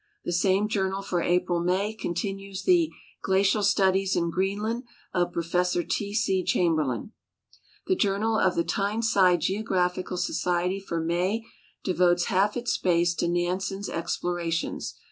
The same journal for April May continues the " Glacial Studies in Greenland " of Prof. T. C. Chamljerhn. The Journal of the Tyneside Geographical Societij for May devotes iialf it.s space to Nansen's explorations.